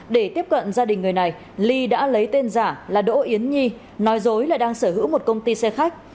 để tiếp cận gia đình người này ly đã lấy tên giả là đỗ yến nhi nói dối là đang sở hữu một công ty xe khách